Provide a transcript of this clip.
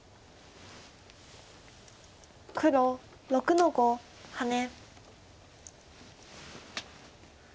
黒６の五ハネ。